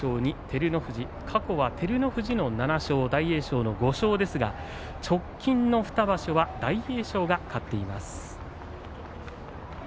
過去は照ノ富士の７勝大栄翔の５勝ですが直近の２場所は大栄翔が勝っています。